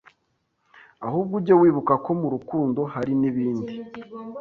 ahubwo ujye wibuka ko mu rukundo hari nibindi